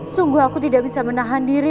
sungguh aku tidak bisa menahan diri